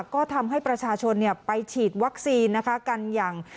ก็ทำให้ประชาชนไปฉีดวัคซีนนะคะกันอย่าง